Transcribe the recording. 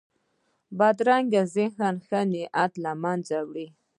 بدرنګه ذهن ښه نیت له منځه وړي